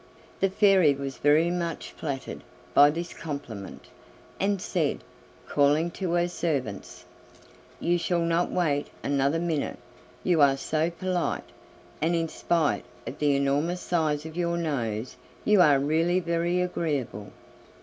The Fairy was very much flattered by this compliment, and said, calling to her servants: "You shall not wait another minute, you are so polite, and in spite of the enormous size of your nose you are really very agreeable."